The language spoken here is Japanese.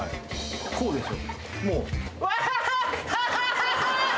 こうでしょ。